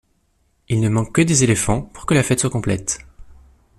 Il ne manque que des éléphants pour que la fête soit complète!